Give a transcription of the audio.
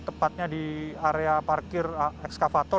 tepatnya di area parkir ekskavator